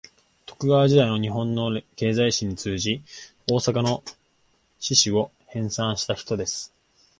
徳川時代の日本の経済史に通じ、大阪の市史を編纂した人です